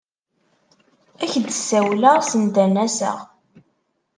Ad ak-d-ssawleɣ send ad n-aseɣ.